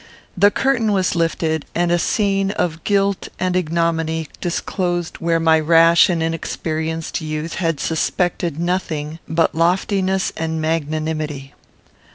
The curtain was lifted, and a scene of guilt and ignominy disclosed where my rash and inexperienced youth had suspected nothing but loftiness and magnanimity.